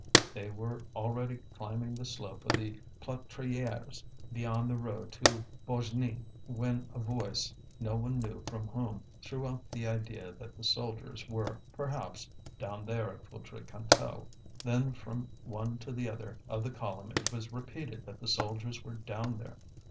They were already climbing the slope of the Platriéres, beyond the road to Beaugnies, when a voice, no one knew from whom, threw out the idea that the soldiers were, perhaps, down there at Feutry Cantel. Then from one to the other of the column it was repeated that the soldiers were down there.